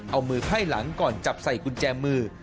เอามือไพ่หลังก่อนจับใส่กุญแจมือ